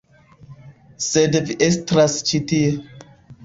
Sed Vi estras ĉi tie.